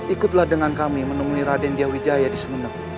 ikutlah dengan kami menemui raden diyah wijaya di sumenem